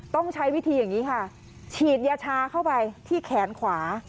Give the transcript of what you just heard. ต้องใช้วิธีอย่างนี้ค่ะฉีดยาชาเข้าไปที่แขนขวา